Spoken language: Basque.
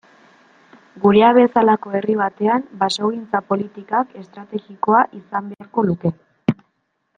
Geurea bezalako herri batean basogintza politikak estrategikoa izan beharko luke.